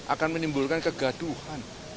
akan menimbulkan kegaduhan